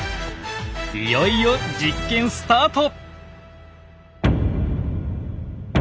いよいよ実験スタート。